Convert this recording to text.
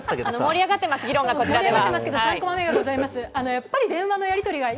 盛り上がってます、議論が、こちらでは。